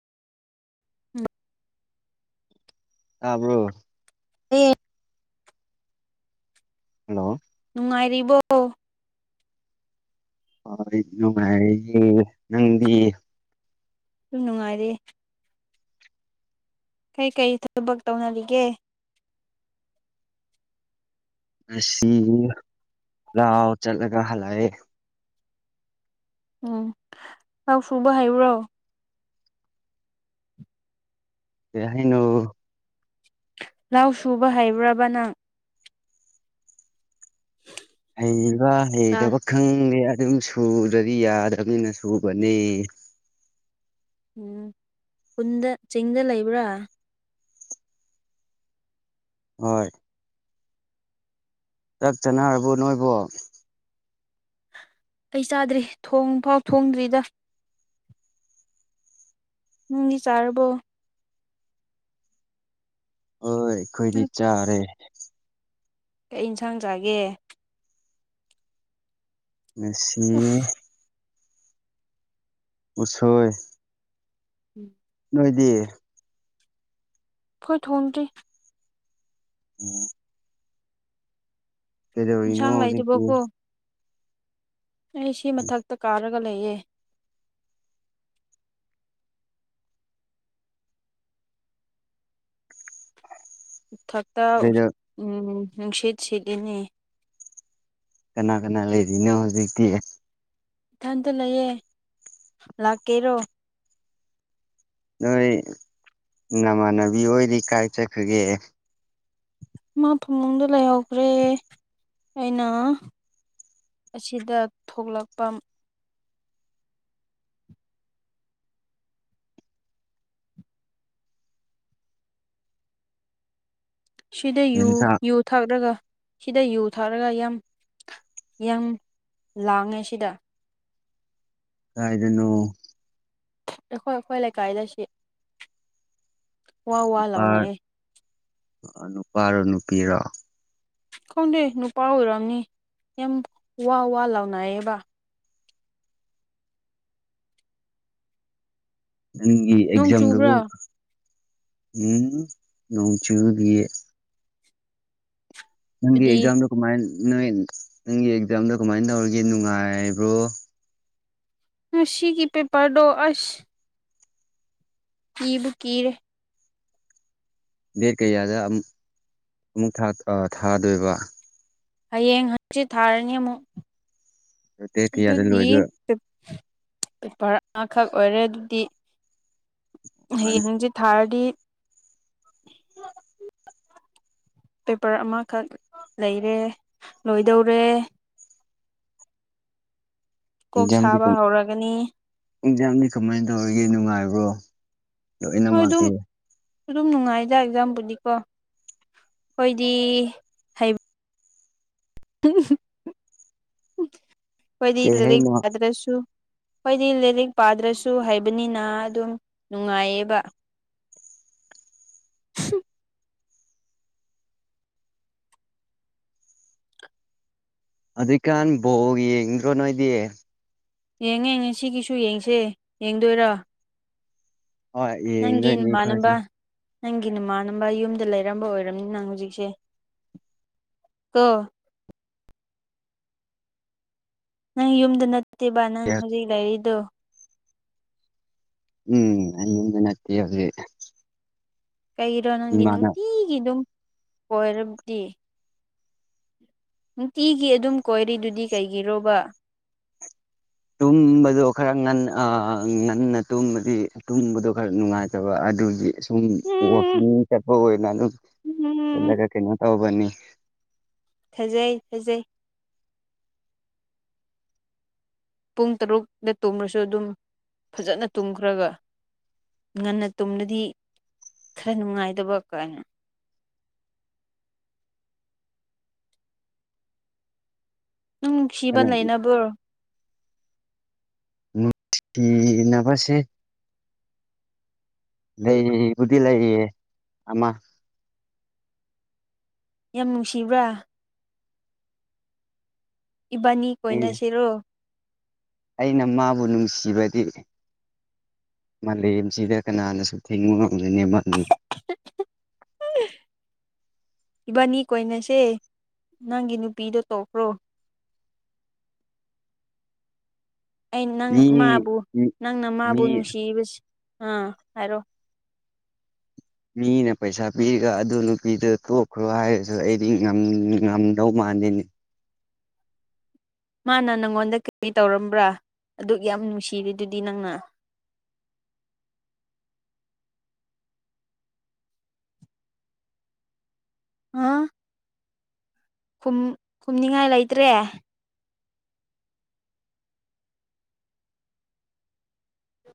ꯎꯝ ꯑꯥꯕ꯭ꯔꯣ ꯑ ꯍꯜꯂꯣ ꯅꯨꯡꯉꯥꯏꯔꯤꯕꯣ ꯍꯣꯏ ꯅꯨꯡꯉꯥꯏ ꯅꯪꯗꯤ ꯁꯨꯝ ꯅꯨꯡꯉꯥꯏꯔꯦ ꯀꯩꯀꯔꯤ ꯊꯕꯛ ꯇꯧꯅꯔꯤꯒꯦ ꯑꯁꯤꯁꯤ ꯂꯑꯣ ꯆꯠꯂꯒ ꯍꯜꯂꯑ ꯎꯝ ꯂꯥꯎ ꯁꯨꯡꯕ ꯍꯥꯏꯕ꯭ꯔꯣ ꯍꯥꯏꯩꯅ ꯂꯥꯎ ꯁꯨꯕ ꯍꯩꯕ꯭ꯔꯕꯅꯪ ꯍꯩꯕ ꯑꯥ ꯍꯩꯇꯕ ꯈꯪꯗꯦ ꯑꯗꯨꯝ ꯁꯨꯗ꯭ꯔꯗꯤ ꯌꯥꯗ꯭ꯔꯕꯅꯤꯅ ꯁꯨꯕꯅꯤ ꯎꯝ ꯄꯨꯟꯗ ꯆꯤꯡꯗ ꯂꯩꯕ꯭ꯔꯥ ꯍꯣꯏ ꯆꯥꯛ ꯆꯅꯕꯨ ꯅꯣꯏꯕꯨ ꯑꯩ ꯆꯥꯗ꯭ꯔꯤ ꯊꯣꯡ ꯐꯥꯎ ꯊꯣꯡꯗ꯭ꯔꯤꯗ ꯎꯪꯒꯤ ꯆꯥꯔꯔꯕꯣ ꯍꯣꯏ ꯑꯩꯈꯣꯏꯗꯤ ꯅꯪ ꯆꯥꯔꯦ ꯀꯩ ꯌꯦꯟꯁꯥꯡ ꯆꯥꯒꯦ ꯉꯁꯤ ꯎꯐ ꯎꯆꯁꯣꯏ ꯎꯝ ꯅꯣꯏꯗꯤ ꯑꯩꯣꯏ ꯊꯣꯡꯗ꯭ꯔꯤ ꯎꯝ ꯀꯗꯣ ꯏꯅ ꯏꯟꯁꯥꯡ ꯍꯧꯖꯤ ꯂꯩꯇꯕꯀꯣ ꯑꯩ ꯁꯤ ꯃꯊꯛꯇ ꯀꯥꯔꯒ ꯂꯩꯌꯦ ꯊꯛꯇ ꯎ ꯀꯩꯗ ꯅꯨꯡꯁꯤꯠ ꯁꯤꯠꯂꯤꯅꯦ ꯀꯅꯥ ꯀꯅꯥ ꯂꯩꯔꯤꯅꯣ ꯍꯧꯖꯤꯛꯇꯤ ꯏꯊꯟꯇ ꯂꯩꯌꯦꯦ ꯂꯥꯛꯀꯦꯔꯣ ꯅꯣꯏ ꯅꯃꯥꯟꯅꯕꯤ ꯑꯣꯏꯗꯤ ꯀꯥꯏ ꯆꯠꯈꯒꯦ ꯃꯥ ꯐꯃꯨꯡꯗ ꯂꯩꯍꯧꯈ꯭ꯔꯦ ꯑꯩꯅ ꯑꯁꯤꯗ ꯊꯣꯛꯂꯛꯄ ꯁꯤꯗ ꯌꯨ ꯌꯦꯟꯁꯥꯡ ꯌꯨ ꯊꯛꯂꯒ ꯁꯤꯗ ꯌꯨ ꯊꯛꯂꯒ ꯌꯥꯝ ꯌꯥꯝ ꯂꯥꯡꯉꯦ ꯁꯤꯗ ꯗꯅꯣ ꯑꯩꯈꯣꯏ ꯑꯩꯈꯣꯏ ꯂꯩꯀꯥꯏꯗ ꯁꯤ ꯋꯥ ꯋꯥ ꯅꯨꯄꯥ ꯂꯥꯎꯅꯩꯑꯦ ꯅꯨꯄꯥꯔꯣ ꯅꯨꯄꯤꯔꯣ ꯈꯪꯗꯦ ꯅꯨꯄꯥ ꯑꯣꯏꯔꯝꯑꯅꯤ ꯌꯥꯝ ꯋꯥ ꯋꯥ ꯂꯥꯎꯅꯌꯦꯕ ꯅꯪꯒꯤ ꯅꯣꯡ ꯑꯦꯛꯖꯥꯝꯗꯨꯕꯨ ꯆꯨꯕ꯭ꯔꯥ ꯎꯝ ꯅꯣꯡ ꯆꯨꯕꯒꯤ ꯅꯪꯒꯤ ꯑꯗꯨꯗꯤ ꯑꯦꯛꯖꯥꯝꯗꯣ ꯀꯃꯥꯏ ꯅꯣꯏ ꯅꯪꯒꯤ ꯑꯦꯛꯖꯥꯝꯗꯣ ꯀꯃꯥꯏꯅ ꯇꯧꯔꯒꯦ ꯅꯨꯡꯉꯥꯏꯕ꯭ꯔꯣ ꯈꯨꯅꯨꯡꯁꯤꯤꯒꯤ ꯄꯦꯄꯔꯗꯣ ꯑꯁ ꯀ ꯕꯀꯔ ꯗꯦꯠ ꯀꯌꯥꯗ ꯑꯃꯨꯛ ꯑꯃꯨꯛ ꯊꯥꯗꯣꯏꯕ ꯍꯌꯦꯡ ꯍꯪꯆꯤꯠ ꯊꯥꯔꯅꯤ ꯑꯃꯨꯛ ꯗꯦꯠ ꯀꯌꯥꯗ ꯑꯗꯨꯗꯤ ꯂꯣꯏꯗꯣꯏ ꯄꯦꯞ ꯄꯦꯄꯔ ꯑꯃꯈꯛ ꯑꯣꯏꯔꯦ ꯑꯗꯨꯗꯤ ꯍꯌꯦꯡ ꯍꯪꯆꯤꯠ ꯊꯥꯔꯗꯤ ꯄꯦꯄꯔ ꯑꯃꯈꯛ ꯂꯩꯔꯦ ꯂꯣꯏꯗꯧꯔꯦ ꯀꯣꯛ ꯑꯦꯛꯖꯥꯝꯗꯤ ꯁꯥꯕ ꯍꯧꯔꯒꯅꯤ ꯑꯦꯛꯖꯥꯝꯗꯤ ꯀꯃꯥꯏꯅ ꯇꯧꯔꯤꯒꯦ ꯅꯨꯡꯉꯥꯏꯕ꯭ꯔꯣ ꯍꯣꯏ ꯑꯗꯨꯝ ꯂꯣꯏꯅꯃꯛꯀꯤ ꯑꯗꯨꯝ ꯅꯨꯡꯉꯥꯏꯗ ꯑꯦꯛꯖꯥꯝꯕꯨꯗꯤꯀꯣ ꯈꫭꯏꯗꯤ ꯀꯣꯏꯗꯤ ꯀꯩ ꯂꯥꯏꯔꯤꯛ ꯍꯥꯏꯅꯣ ꯄꯥꯗ꯭ꯔꯁꯨ ꯍꯣꯏꯗꯤ ꯂꯥꯏꯔꯤꯛ ꯄꯥꯗ꯭ꯔꯁꯨ ꯍꯥꯏꯕꯅꯤꯅ ꯑꯗꯨꯝ ꯅꯨꯡꯉꯥꯏꯌꯦꯕ ꯍꯝ ꯑꯗꯨ꯫ꯏꯀꯥꯟ ꯕꯣꯜ ꯌꯦꯡꯗ꯭ꯔꯣ ꯅꯣꯏꯗꯤ ꯌꯦꯡ꯫ꯉꯦ ꯉꯁꯤꯒꯤꯁꯨ ꯌꯦꯡꯁꯦ ꯌꯦꯡꯗꯣꯏꯔꯥ ꯍꯣꯏ ꯅꯪꯒꯤ ꯌꯦꯡꯗꯣꯏꯅꯤ ꯑꯩꯈꯣꯏꯁꯦ ꯅꯃꯥꯅꯕ ꯅꯪꯒꯤ ꯅꯃꯥꯟꯅꯕ ꯌꯨꯝꯗ ꯂꯩꯔꯝꯕ ꯑꯣꯏꯔꯝꯅꯤ ꯅꯪ ꯍꯧꯖꯤꯛꯁꯦ ꯇꯣ ꯅꯪ ꯌꯨ꯫ꯝꯗ ꯅꯠꯇꯦꯕ ꯅꯪ ꯍꯧꯖꯤꯛ ꯂꯩꯥꯔꯤꯗꯣ ꯎꯝ ꯑꯩꯌꯨꯝꯗ ꯅꯠꯇꯦ ꯍꯨꯖꯤꯛ ꯀꯩꯒꯤꯔꯣ ꯅꯪꯗꯤ ꯅꯨꯡꯇꯤꯒꯤꯗꯨꯝ ꯀꫭꯏꯔꯕꯗꯤ ꯅꯨꯡ꯫ꯇꯤꯒꯤ ꯑꯗꯨꯝ ꯀꯣꯏꯔꯤꯗꯨꯗꯤ ꯀꯩꯒꯤꯔꯣꯕ ꯇꯨꯝꯕꯗꯣ ꯈꯔ ꯉꯟ ꯑ ꯉꯟꯅ ꯇꯨꯝꯕꯗꯤ ꯇꯨꯝꯕꯗꯣ ꯈꯔ ꯅꯨꯡꯉꯥꯏꯇꯕ ꯑꯗꯨꯒꯤ ꯁꯨꯝ ꯎꯝ ꯋꯥꯀꯤꯡ ꯆꯠꯄ ꯑꯣꯏꯅ ꯑꯗꯨꯝ ꯎꯝ ꯆꯠꯂꯒ ꯀꯩꯅꯣ ꯇꯧꯕꯅꯤ ꯊꯥꯖꯩ ꯊꯥꯖꯩ ꯄꯨꯡ ꯇꯔꯨꯛꯅ ꯇꯨꯝꯔꯁꯨ ꯑꯗꯨꯝ ꯐꯖꯅ ꯇꯨꯝꯈ꯭ꯔꯒ ꯉꯟꯅ ꯇꯨꯝꯂꯗꯤ ꯈꯔ ꯅꯨꯡꯉꯥꯏꯇꯕ ꯀꯥꯏꯅ ꯅꯨꯡ ꯅꯨꯡꯁꯤꯕ ꯑꯗꯨ ꯂꯩꯅꯕ꯭ꯔꯣ ꯇꯤ ꯅꯕꯁꯦ ꯂꯩꯕꯨ꯫ꯗꯤ ꯂꯩꯌꯦ ꯑꯃ ꯌꯥꯝ ꯅꯨꯡꯁꯤꯕ꯭ꯔꯥ ꯏꯕꯥꯅꯤ ꯑꯩꯅ ꯀꯣꯏꯅꯁꯤꯔꯣ ꯑꯩꯅ ꯃꯥꯕꯨ ꯅꯨꯡꯁꯤꯕꯗꯤ ꯃꯥꯂꯦ꯫ꯝꯁꯤꯗ ꯀꯅꯥꯅꯁꯨ ꯊꯤꯡꯕ ꯉꯝꯒꯅꯤ ꯃꯥꯂꯤ ꯏꯕꯥꯅꯤ ꯀꯣꯏꯅꯁꯦ ꯅꯪꯒꯤ ꯅꯨꯄꯤꯗꯣ ꯇꯣꯛꯈ꯭ꯔꯣ ꯑꯩ ꯅꯪ ꯃꯤ ꯃꯥꯕꯨ ꯅꯪꯅ ꯃꯥꯕꯨ ꯃꯤ ꯅꯨꯡꯁꯤꯔꯤꯕꯁꯦ ꯑꯥ ꯍꯥꯏꯔꯣ ꯃꯤꯅ ꯄꯩꯁꯥ ꯄꯤꯔꯒ ꯑꯗꯨ ꯅꯨꯄꯤꯗꯨ ꯇꯣꯛꯈ꯭ꯔꯣ ꯍꯥꯏꯔꯁꯨ ꯑꯩꯗꯤ ꯉꯝ ꯉꯝꯗꯧ ꯃꯥꯟꯗꯦꯅꯦ ꯃꯥꯅ ꯅꯪꯉꯣꯟꯗ ꯀꯔꯤ ꯇꯧꯔꯝꯕ꯭ꯔꯥ ꯑꯗꯨꯛ ꯌꯥꯝ ꯅꯨꯡꯁꯤꯔꯤ ꯗꯨꯗꯤ ꯅꯪꯅ ꯑꯥ ꯨꯈꯨꯝ ꯈꯨꯝꯅꯤꯡꯉꯥꯏ ꯂꯩꯇ꯭ꯔꯦ